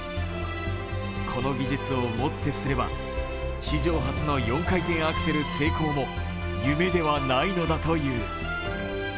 この技術をもってすれば史上初の４回転アクセル成功も夢ではないのだという。